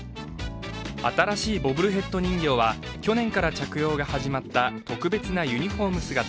新しいボブルヘッド人形は去年から着用が始まった特別なユニフォーム姿。